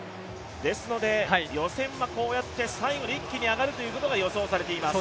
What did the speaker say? ですので、予選はこうやって最後に一気に上がるということが予想されています。